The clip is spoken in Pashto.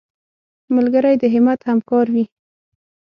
ملګری د همت همکار وي